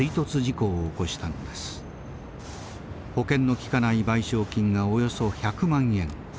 保険のきかない賠償金がおよそ１００万円。